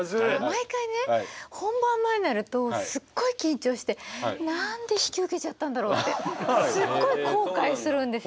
毎回ね本番前になるとすごい緊張してなんで引き受けちゃったんだろうってすごい後悔するんですよ。